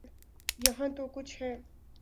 یہاں تو کچھ ہے۔